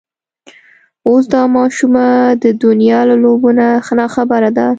اوس دا ماشومه د دنيا له لوبو نه ناخبره ده.